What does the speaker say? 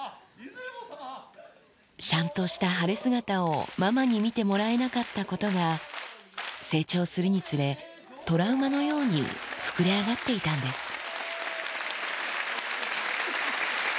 しゃんとした晴れ姿をママに見てもらえなかったことが、成長するにつれ、トラウマのように膨れ上がっていたんです。